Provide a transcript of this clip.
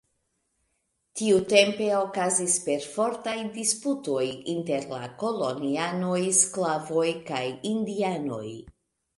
Tiutempe okazis perfortaj disputoj inter la kolonianoj, sklavoj, kaj indianoj.